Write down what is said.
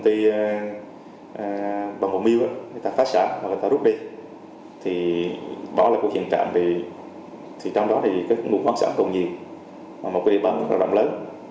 trong đó các ngũ hoang sản còn nhiều mà một cơ địa bản rất là rộng lớn